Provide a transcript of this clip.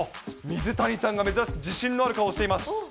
水谷さんが珍しく自信のある顔をしています。